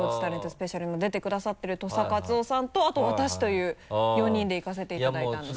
スペシャルにも出てくださってる土佐かつおさんとあと私という４人で行かせていただいたんですが。